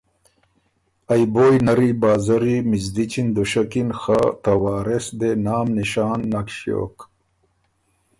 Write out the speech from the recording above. ائ بویٛ نری، ا بازری، ا مِزدچی ن دُشکِن خه ته وارث دې نام نشان نک ݭیوک